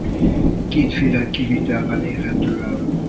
Kétféle kivitelben érhető el.